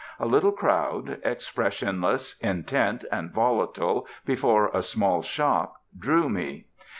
A little crowd, expressionless, intent, and volatile, before a small shop, drew me.